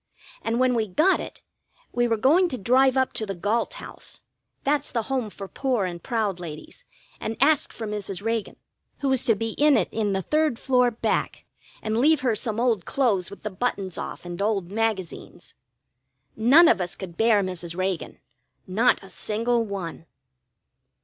And when we got it, we were going to drive up to the Galt House that's the Home for Poor and Proud Ladies and ask for Mrs. Reagan, who was to be in it in the third floor back, and leave her some old clothes with the buttons off, and old magazines. None of us could bear Mrs. Reagan not a single one.